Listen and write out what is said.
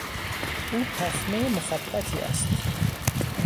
او پخمهی مخبطی است.